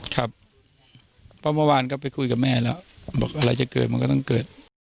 ครับเพราะเมื่อวานก็ไปคุยกับแม่แล้วบอกอะไรจะเกิดมันก็ต้องเกิด